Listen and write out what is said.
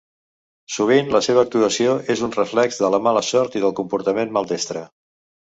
Sovint la seva actuació és un reflex de la mala sort i del comportament maldestre.